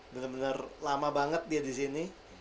bener bener lama banget dia disini